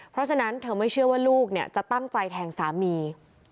เพราะฉะนั้นเธอไม่เชื่อว่าลูกจะตั้งใจแทงสามี